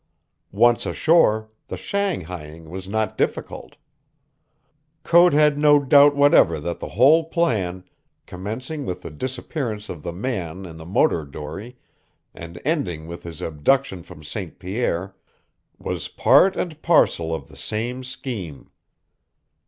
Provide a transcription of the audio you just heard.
Once ashore, the shanghaiing was not difficult. Code had no doubt whatever that the whole plan, commencing with the disappearance of the man in the motor dory and ending with his abduction from St. Pierre, was part and parcel of the same scheme.